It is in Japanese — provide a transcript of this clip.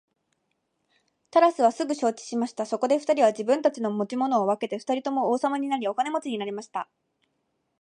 タラスはすぐ承知しました。そこで二人は自分たちの持ち物を分けて二人とも王様になり、お金持になりました。